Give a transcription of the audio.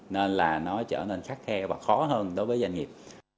nên là nó trở nên khắc khe và khó hơn đối với doanh nghiệp